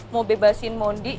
mau bebasin mondi